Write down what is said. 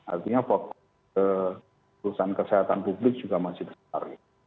artinya keurusan kesehatan publik juga masih besar ya